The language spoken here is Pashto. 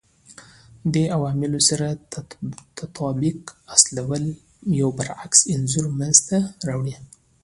دې عواملو سره تطابق حاصلولو یو برعکس انځور منځته راوړي